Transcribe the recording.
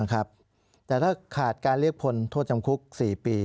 แต่ถ้าขาดการเรียกพลโทษจำคุก๔ปี